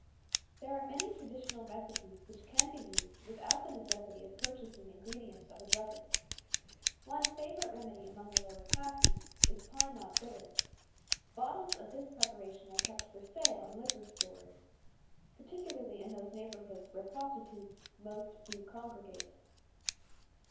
There are many traditional recipes which can be used without the necessity of purchasing ingredients of a druggist. One favorite remedy among the lower classes is "Pine Knot Bitters." Bottles of this preparation are kept for sale in liquor stores, particularly in those neighborhoods where prostitutes "most do congregate."